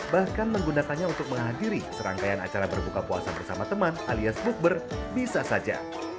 bahkan menggunakannya untuk menghadiri serangkaian acara berbuka puasa bersama teman alias bukber bisa saja